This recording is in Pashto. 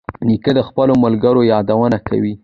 نیکه د خپلو ملګرو یادونه کوي.